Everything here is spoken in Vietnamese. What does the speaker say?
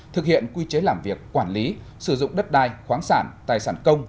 thực hiện quy chế làm việc quản lý sử dụng đất đai khoáng sản tài sản công